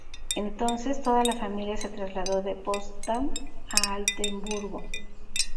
Entonces, toda la familia se trasladó de Potsdam a Altenburgo.